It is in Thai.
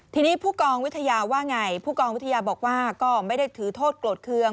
ทีนี้ผู้กองวิทยาว่าไงผู้กองวิทยาบอกว่าก็ไม่ได้ถือโทษโกรธเครื่อง